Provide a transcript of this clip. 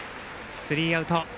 スリーアウト。